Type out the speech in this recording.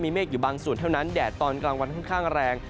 เมฆอยู่บางส่วนเท่านั้นแดดตอนกลางวันค่อนข้างแรง